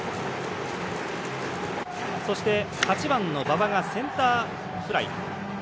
そして、８番の馬場がセンターフライ。